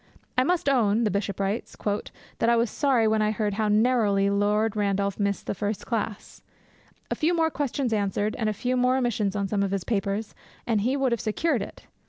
'I must own,' the Bishop writes, 'that I was sorry when I heard how narrowly Lord Randolph missed the first class; a few more questions answered, and a few more omissions in some of his papers, and he would have secured it.